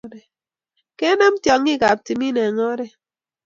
kenem tyongikab tumin eng oret